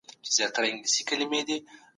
د شکایتونو اوریدلو کمېسیون څه کوي؟